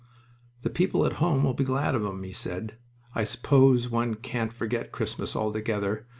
"The people at home will be glad of 'em," he said. "I s'pose one can't forget Christmas altogether.